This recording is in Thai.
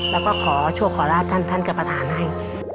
แล้วก็ขอชั่วขอราชท่านกับประธานให้